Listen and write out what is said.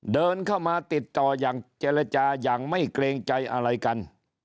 เดินเข้ามาติดต่ออย่างเจรจาอย่างไม่เกรงใจอะไรกัน